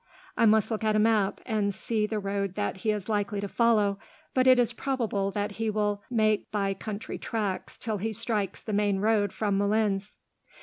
I must look at a map, and see the road that he is likely to follow, but it is probable that he will make by country tracks till he strikes the main road from Moulins."